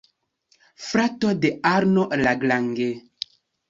Frato de Arno Lagrange.